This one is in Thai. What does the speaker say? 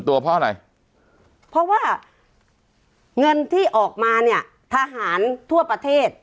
ตัวเพราะอะไรเพราะว่าเงินที่ออกมาเนี่ยทหารทั่วประเทศ